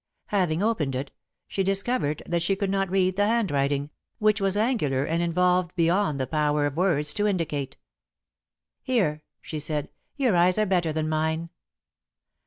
Having opened it, she discovered that she could not read the handwriting, which was angular and involved beyond the power of words to indicate. [Sidenote: A Woman's Writing] "Here," she said. "Your eyes are better than mine."